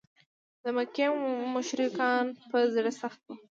د مکې مشرکان په زړه سخت و.